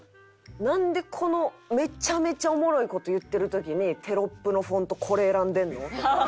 なんでこのめちゃめちゃおもろい事言ってる時にテロップのフォントこれ選んでんの？とか。